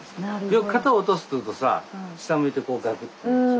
よく「肩を落とす」って言うとさ下向いてこうガクッてなるでしょ？